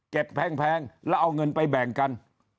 แพงแล้วเอาเงินไปแบ่งกัน